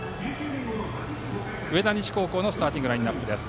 上田西高校のスターティングラインナップです。